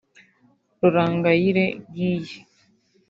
Rurangayire Giy